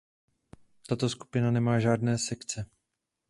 Tato skupina nemá žádné sekce.